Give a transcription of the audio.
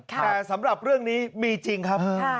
แต่สำหรับเรื่องนี้มีจริงครับ